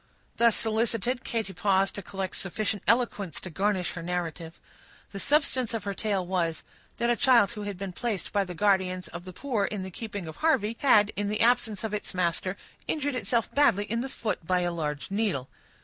Thus solicited, Katy paused to collect sufficient eloquence to garnish her narrative. The substance of her tale was, that a child who had been placed by the guardians of the poor in the keeping of Harvey, had, in the absence of its master, injured itself badly in the foot by a large needle.